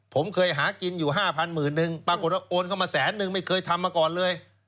ผมเคยหากินอยู่๕๐๐๐นึงปรากฏว่าโอนเข้ามาแสนนึงไม่เคยทำมาก่อนเลย